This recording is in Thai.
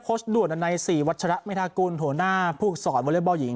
โค้ชด่วนอันในสี่วัชละไมธากุลหัวหน้าผู้สอนวอเรล์บอลหญิง